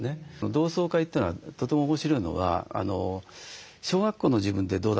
同窓会というのはとても面白いのは小学校の自分ってどうだったんだ？